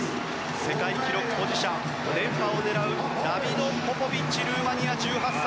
世界記録保持者連覇を狙うダビド・ポポビッチルーマニアの１８歳。